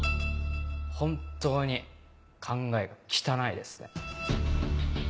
本当に考えが汚いですね。